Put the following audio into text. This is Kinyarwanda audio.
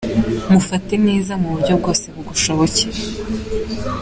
Mufate neza mu buryo bwose bugushobokeye.